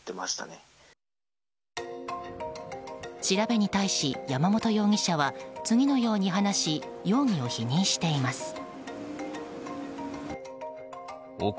調べに対し山本容疑者は、次のように話し容疑を否認しています。